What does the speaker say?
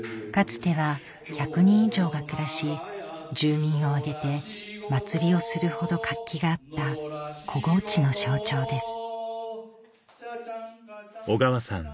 つては１００人以上が暮らし住民を挙げて祭りをするほど活気があった小河内の象徴です